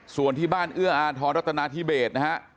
ส่วนที่บ้านเอื้ออาทรรัฐนาธิเบสนะฮะ